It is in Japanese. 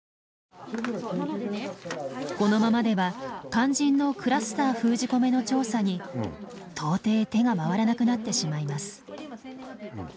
このままでは肝心のクラスター封じ込めの調査に到底手が回らなくなってしまいます。